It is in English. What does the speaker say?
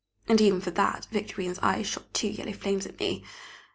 and, even for that, Victorine's eyes shot two yellow flames at me!